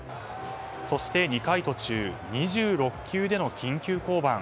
そして２回途中２６球での緊急降板。